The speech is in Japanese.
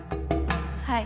はい。